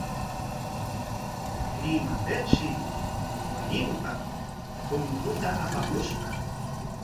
Limapikshi wasinpaq punkuta apamushqa.